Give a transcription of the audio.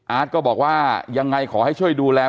ก็บอกว่ายังไงขอให้ช่วยดูแล